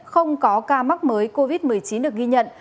không có ca mắc mới covid một mươi chín được ghi nhận